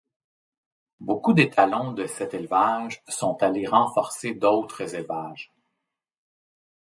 Beaucoup d'étalons de cet élevage sont allés renforcer d'autres élevages.